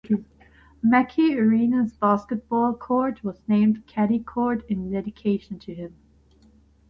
Mackey Arena's basketball court was named "Keady Court" in dedication to him.